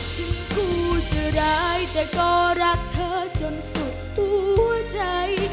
ถึงกูจะร้ายแต่ก็รักเธอจนสุดหัวใจ